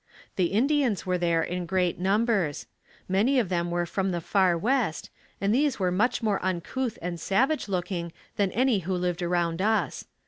The Indians were there in great numbers. Many of them were from the far west and these were much more uncouth and savage looking than any who lived around us.